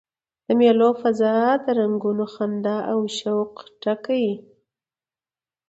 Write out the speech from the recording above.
د مېلو فضا د رنګونو، خندا او شوق ډکه يي.